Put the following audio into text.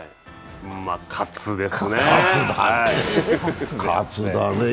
喝ですね。